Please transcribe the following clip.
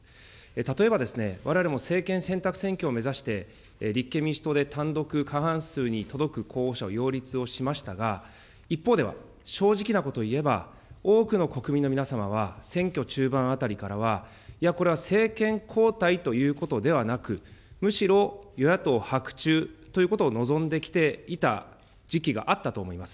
例えばですね、われわれも政権選択選挙を目指して、立憲民主党で単独過半数に届く候補者を擁立をしましたが、一方では、正直なこといえば、多くの国民の皆様は、選挙中盤あたりからは、いや、これは政権交代ということではなく、むしろ与野党伯仲ということを望んできていた時期があったと思います。